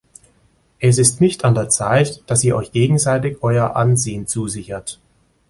Es ist nicht an der Zeit, dass Ihr Euch gegenseitig Euer Ansehen zusichert.